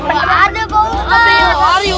gak ada kok sobri